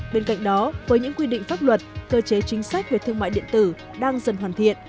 bên cạnh đó với những quy định pháp luật cơ chế chính sách về thương mại điện tử đang dần hoàn thiện